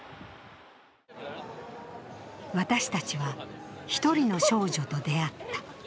私たちは１人の少女と出会った。